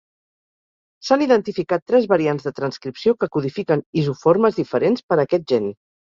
S'han identificat tres variants de transcripció que codifiquen isoformes diferents per a aquest gen.